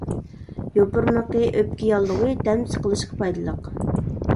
يوپۇرمىقى ئۆپكە ياللۇغى، دەم سىقىلىشقا پايدىلىق.